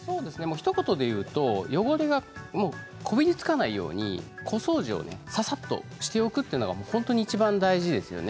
ひと言で言うと汚れが、こびりつかないように小掃除をささっとしておくというのが本当にいちばん大事ですよね。